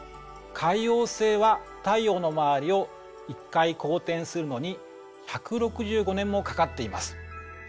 海王星は太陽の周りを１回公転するのに１６５年もかかっています。